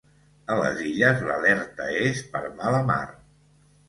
A les Illes l’alerta és per mala mar.